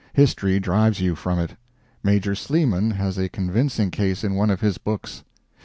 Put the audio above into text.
History drives you from it. Major Sleeman has a convincing case in one of his books.